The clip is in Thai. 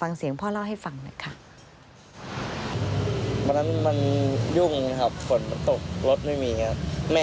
ฟังเสียงพ่อเล่าให้ฟังหน่อยค่ะ